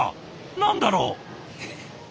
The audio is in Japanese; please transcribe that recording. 何だろう？